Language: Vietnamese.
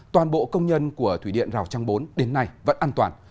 toàn bộ công nhân của thủy điện rào trang bốn đến nay vẫn an toàn